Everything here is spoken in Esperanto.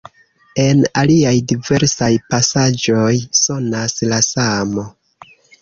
En aliaj diversaj pasaĵoj sonas la samo.